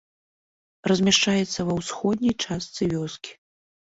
Размяшчаецца ва ўсходняй частцы вёскі.